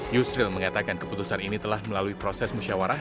yusril mengatakan keputusan ini telah melalui proses musyawarah